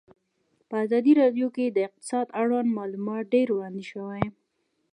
په ازادي راډیو کې د اقتصاد اړوند معلومات ډېر وړاندې شوي.